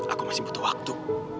aku masih butuh waktu